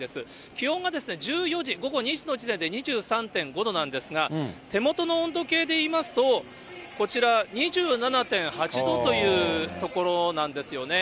気温が１４時、午後２時の時点で２３．５度なんですが、手元の温度計でいいますと、こちら２７．８度というところなんですよね。